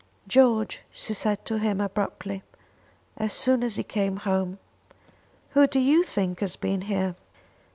"George," she said to him abruptly, as soon as he came home, "who do you think has been here?